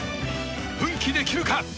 奮起できるか？